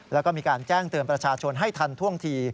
แล้วก็มีการแจ้งเตือนประชาชนให้ทันท่วงที